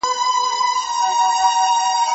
دی یوازې له ځان سره و.